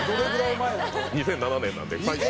２００７年なんで最新。